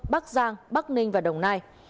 bắc giang bắc ninh và đồng nai